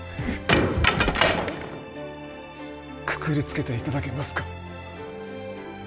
くくりつけて頂けますか？